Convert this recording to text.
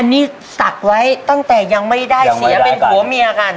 นี่ศักดิ์ไว้ตั้งแต่ยังไม่ได้เสียเป็นผัวเมียกัน